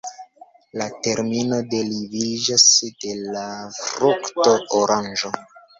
La termino deriviĝas de la frukto oranĝo.